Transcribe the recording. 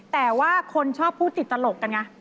แต่ว่าคนชอบพูดติดตลกกันไง